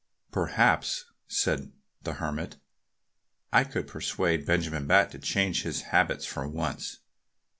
"Perhaps," said the Hermit, "I could persuade Benjamin Bat to change his habits for once.